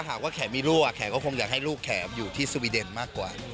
หากว่าแขกมีลูกแขกก็คงอยากให้ลูกแขอยู่ที่สวีเดนมากกว่า